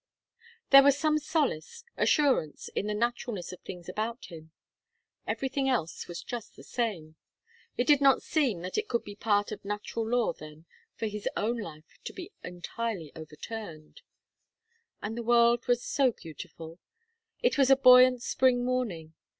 There was some solace, assurance, in the naturalness of things about him. Everything else was just the same; it did not seem that it could be part of natural law then for his own life to be entirely overturned. And the world was so beautiful! It was a buoyant spring morning.